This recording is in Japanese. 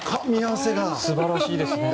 素晴らしいですね。